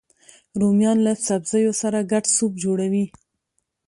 رومیان له سبزیو سره ګډ سوپ جوړوي